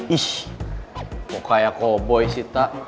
ih kok kayak koboi sih tak